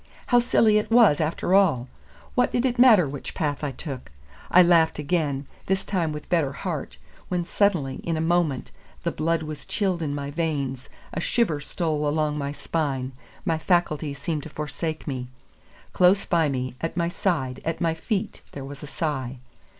How silly it was, after all! What did it matter which path I took? I laughed again, this time with better heart, when suddenly, in a moment, the blood was chilled in my veins, a shiver stole along my spine, my faculties seemed to forsake me. Close by me, at my side, at my feet, there was a sigh.